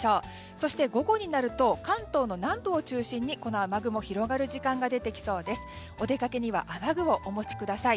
そして、午後になると関東の南部を中心にこの雨雲が広がる時間が出てきそうです、お出かけには雨具をお持ちください。